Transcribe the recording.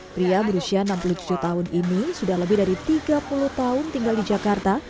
pria berusia enam puluh tujuh tahun ini sudah lebih dari tiga puluh tahun tinggal di jakarta